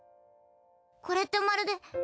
これってまるで。